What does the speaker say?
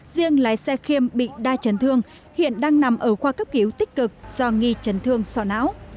vị xe khiêm bị đa trấn thương hiện đang nằm ở khoa cấp cứu tích cực do nghi trấn thương so náo